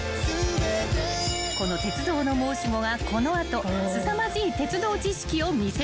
［この鉄道の申し子がこの後すさまじい鉄道知識を見せつける］